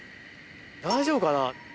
大丈夫かな？